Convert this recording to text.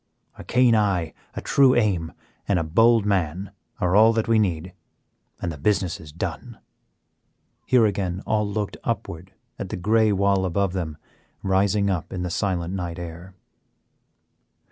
A keen eye, a true aim, and a bold man are all that we need, and the business is done." Here again all looked upward at the gray wall above them, rising up in the silent night air.